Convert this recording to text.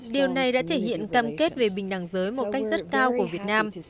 điều này đã thể hiện cam kết về bình đẳng giới một cách rất cao của việt nam